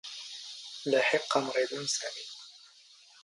ⵍⴰⵃ ⵉⵇⵇⴰⵎⵔⵉⴹⵏ ⵏ ⵙⴰⵎⵉ.